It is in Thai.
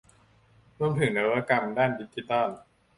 ร่วมถึงนวัตกรรมด้านดิจิทัล